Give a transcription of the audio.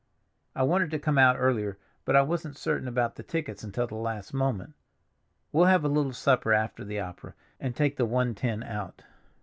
I wanted to come out earlier, but I wasn't certain about the tickets until the last moment. We'll have a little supper after the opera, and take the one ten out.